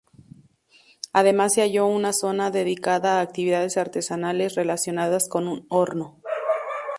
Además se halló una zona dedicada a actividades artesanales relacionadas con un horno.